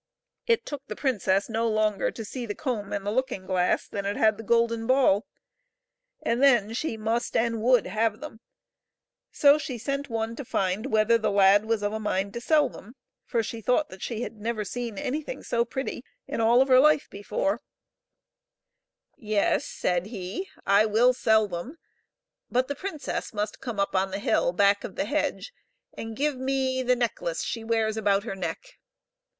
It took the princess no longer to see the comb and the looking glass than it had the golden ball, and then she must and would have them. So she sent one to find whether the lad was of a mind to sell them, for she thought that she had never seen anything so pretty in all of her life before. a'"' '(1/ 272 HOW THE PRINCESS'S PRIDE WAS BROKEN. " Yes," said he, " I will sell them, but the princess must come up on the hill back of the hedge and give me the necklace she wears about her neck."